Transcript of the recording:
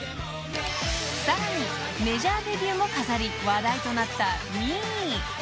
［さらにメジャーデビューも飾り話題となったＮＥＥ］